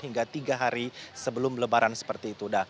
hingga tiga hari sebelum lebaran seperti itu